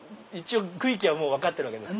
区域は分かってるわけですか。